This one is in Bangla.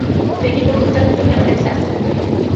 দেখেই ওর মনটার ভিতর কেমন একটা ব্যথা চেপে ধরলে।